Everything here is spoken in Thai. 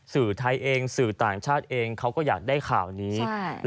สื่อไทยเองสื่อต่างชาติเองเขาก็อยากได้ข่าวนี้